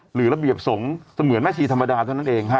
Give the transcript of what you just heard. หรือระเบียบสงฆ์เสมือนแม่ชีธรรมดาเท่านั้นเองฮะ